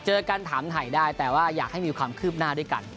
เจอกันถามถ่ายได้แต่ว่าอยากให้มีความคืบหน้าด้วยกัน